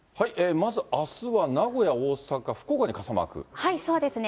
まずあすは、名古屋、大阪、そうですね。